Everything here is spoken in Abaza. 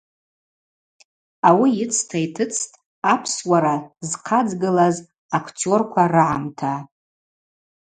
Ауи йыцта йтыцӏтӏ апсуара зхъадзгылаз актерква рыгӏамта.